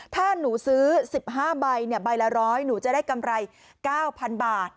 ถ้าหนูซื้อ๑๕ใบใบละ๑๐๐หนูจะได้กำไร๙๐๐บาท